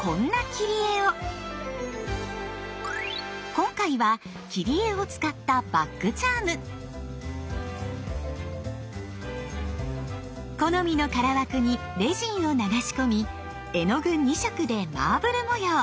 今回は切り絵を使った好みの空枠にレジンを流し込み絵の具２色でマーブル模様。